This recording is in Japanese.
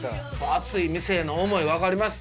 熱い店への思い分かります